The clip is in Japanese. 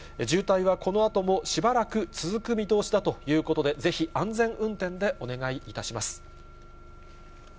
渋滞はこのあともしばらく続く見通しだということで、ぜひ、安全運転でお願いいたします。